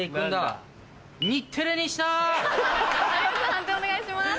判定お願いします。